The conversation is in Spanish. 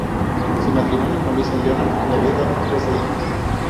Su matrimonio con Luisa Leonard le había dado trece hijos.